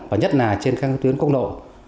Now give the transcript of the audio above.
và nhất là trên các tuyến công nộ